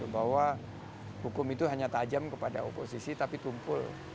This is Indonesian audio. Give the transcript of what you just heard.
bahwa hukum itu hanya tajam kepada oposisi tapi tumpul